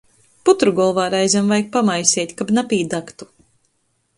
Putru golvā reizem vajag pamaiseit, kab napīdagtu...